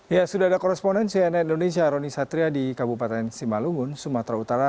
ya sudah ada koresponden cnn indonesia roni satria di kabupaten simalungun sumatera utara